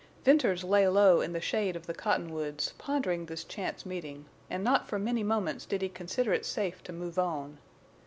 Venters lay low in the shade of the cottonwoods, pondering this chance meeting, and not for many moments did he consider it safe to move on.